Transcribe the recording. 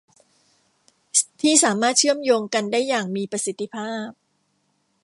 ที่สามารถเชื่อมโยงกันได้อย่างมีประสิทธิภาพ